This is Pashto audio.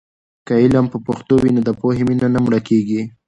که علم په پښتو وي، نو د پوهې مینه نه مړه کېږي.